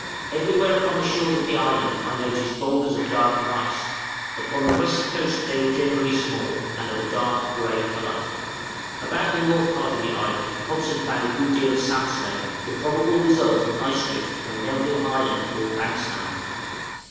Everywhere upon the shores of the island I noticed boulders of dark gneiss; upon the west coast they were generally small, and of a dark gray color. About the north part of the island Hobson found a good deal of sandstone, the probable result of ice drift from Melville Island or Banks Land.